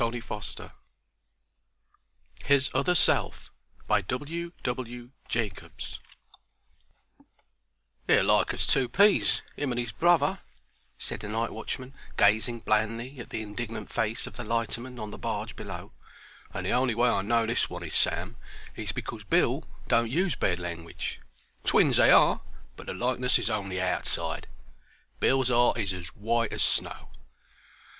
Jacobs HIS OTHER SELF "They're as like as two peas, him and 'is brother," said the night watchman, gazing blandly at the indignant face of the lighterman on the barge below; "and the on'y way I know this one is Sam is because Bill don't use bad langwidge. Twins they are, but the likeness is only outside; Bill's 'art is as white as snow."